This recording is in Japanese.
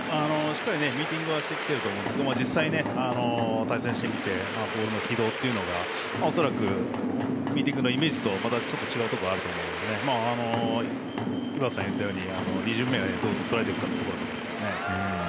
しっかりミーティングはしてきているでしょうけど実際に対戦してボールの軌道などが恐らくミーティングのイメージとちょっと違うところがあると思うので井端さんが言ったように２巡目にどう捉えていくかですね。